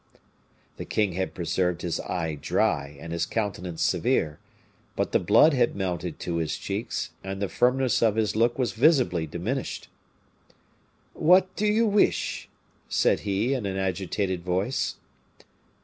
The king had preserved his eye dry and his countenance severe; but the blood had mounted to his cheeks, and the firmness of his look was visibly diminished. "What do you wish?" said he, in an agitated voice.